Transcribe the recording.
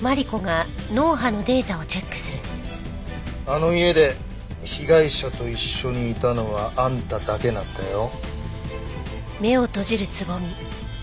あの家で被害者と一緒にいたのはあんただけなんだよ。